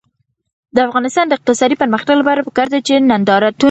د افغانستان د اقتصادي پرمختګ لپاره پکار ده چې نندارتون وي.